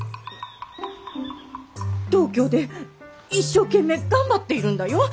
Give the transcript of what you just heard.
東京で一生懸命頑張っているんだよ。